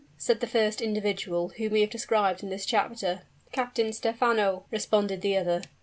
said the first individual whom we have described in this chapter. "Captain Stephano!" responded the other.